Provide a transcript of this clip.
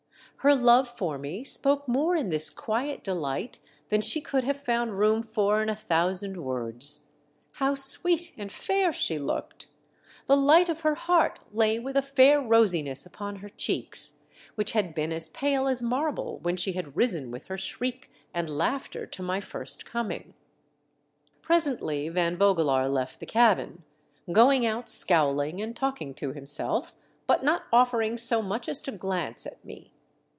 Her love for me spoke more in this quiet delight than she could have found room for in a thousand words. How sweet and fair she looked ! The light of her heart lay with a fair rosiness upon her cheeks, which had been as pale as marble when she had risen with her shriek and laughter to my first coming. Presently, Van Vogelaar left the cabin, going out scowling and talking to himself, but not offering so much as to glance at me.